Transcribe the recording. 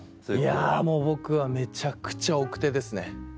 いやもう僕はめちゃくちゃ奥手ですね。